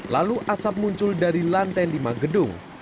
lalu asap muncul dari lantai lima gedung